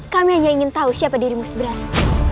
kami hanya ingin tahu siapa dirimu sebenarnya